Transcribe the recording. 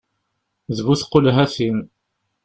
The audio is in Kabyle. D bu tqulhatin!